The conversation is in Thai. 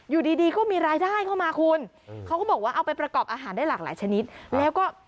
อยู่ดีดีก็มีรายได้เข้ามาคุณเขาก็บอกว่าเอาไปประกอบอาหารได้หลากหลายชนิดแล้วก็